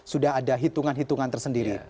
sudah ada hitungan hitungan tersendiri